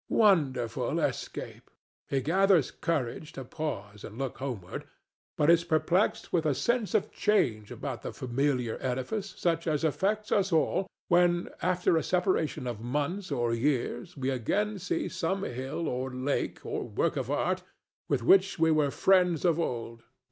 Wonderful escape! He gathers courage to pause and look homeward, but is perplexed with a sense of change about the familiar edifice such as affects us all when, after a separation of months or years, we again see some hill or lake or work of art with which we were friends of old.